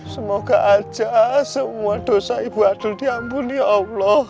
semoga aja semua dosa ibu adul diambuni of si allah